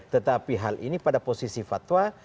tetapi hal ini pada posisi fatwa